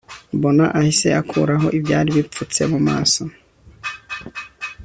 mbona ahise akuraho ibyari bipfutse mu maso